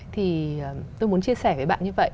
thì tôi muốn chia sẻ với bạn như vậy